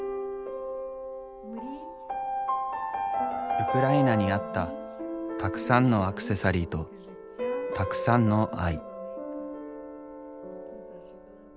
ウクライナにあったたくさんのアクセサリーとたくさんの愛。